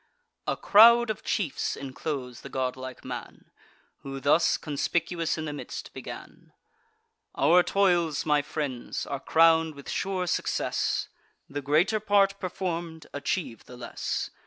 A crowd of chiefs inclose the godlike man, Who thus, conspicuous in the midst, began: "Our toils, my friends, are crown'd with sure success; The greater part perform'd, achieve the less.